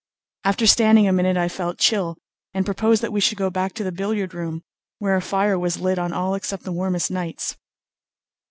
After standing a minute I felt chill, and proposed that we should go back to the billiard room, where a fire was lit on all except the warmest nights.